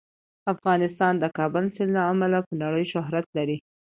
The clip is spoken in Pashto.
افغانستان د کابل سیند له امله په نړۍ شهرت لري.